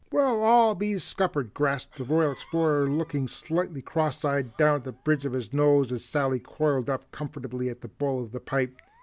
"Well I'll be scuppered!" gasped the Royal Explorer looking slightly cross eyed down the bridge of his nose as Sally coiled up comfortably in the bowl of the pipe.